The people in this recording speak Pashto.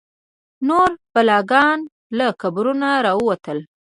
نور بلاګان له قبرونو راوتل.